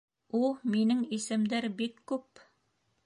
У, минең исемдәр бик күп!